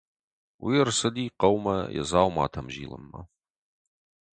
Уый ӕрцыди хъӕумӕ йӕ дзауматӕм зилынмӕ.